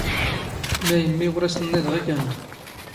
ⵎⴰⵢⵎⵎⵉ ⵓⵔ ⴰⵙ ⵜⵏⵏⵉⴷ ⵖⵉⴽⴰⵏⵏ?